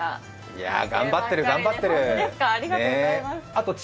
いやぁ、頑張ってる、頑張ってる。